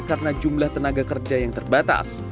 karena jumlah tenaga kerja yang terbatas